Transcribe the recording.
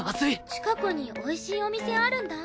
近くにおいしいお店あるんだ。